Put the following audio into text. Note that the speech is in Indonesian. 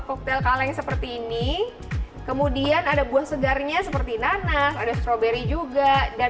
koktel kaleng seperti ini kemudian ada buah segarnya seperti nanas ada stroberi juga dan